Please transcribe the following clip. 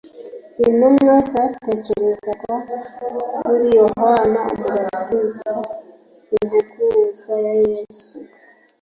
Intumwa zatekerezaga kuri Yohana Umubatiza Integuza ya Yesu.